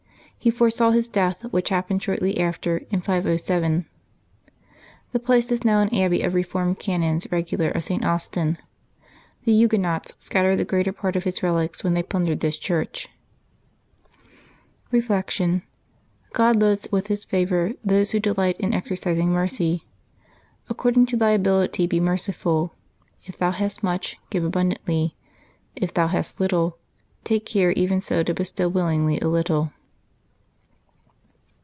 He foresaw his death, which happened shortly after, in 507. The place is now an abbey of reformed canons regular of St. Austin. The Huguenots scattered the greater part of his relics when they plundered this church. Reflection. — God loads with His favor those who de light in exercising mercy. " According to thy ability be merciful: if thou hast much, give abundantly; if thou hast little, take care even so to bestow willingly a little.